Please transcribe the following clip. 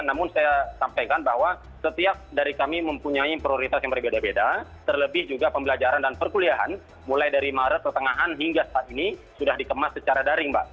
namun saya sampaikan bahwa setiap dari kami mempunyai prioritas yang berbeda beda terlebih juga pembelajaran dan perkuliahan mulai dari maret pertengahan hingga saat ini sudah dikemas secara daring mbak